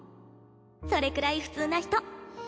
それくらい普通な人！